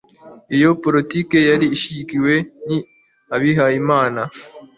iyo politiki yari ishyigikiwe n'abihayimana